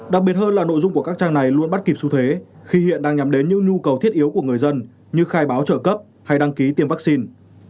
đặc biệt hơn là nội dung của các trang này luôn bắt kịp xu thế khi hiện đang nhắm đến những nhu cầu thiết yếu của người dân như khai báo trợ cấp hay đăng ký tiêm vaccine